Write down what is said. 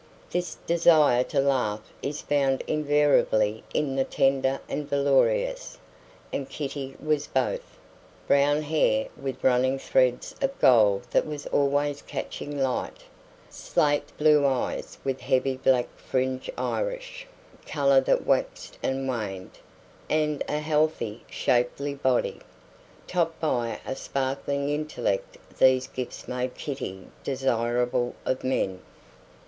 This desire to laugh is found invariably in the tender and valorous; and Kitty was both. Brown hair with running threads of gold that was always catching light; slate blue eyes with heavy black fringe Irish; colour that waxed and waned; and a healthy, shapely body. Topped by a sparkling intellect these gifts made Kitty desirable of men.